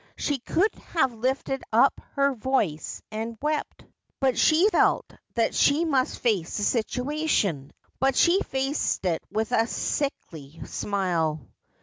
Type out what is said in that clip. She could have lifted up her voice and wept ; but she felt that she must face the situation, and she faced it with a sickly smile.